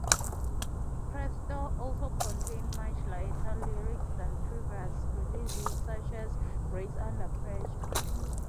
"Presto" also contained much lighter lyrics than previous releases such as "Grace Under Pressure".